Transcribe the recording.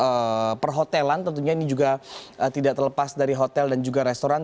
untuk perhotelan tentunya ini juga tidak terlepas dari hotel dan juga restoran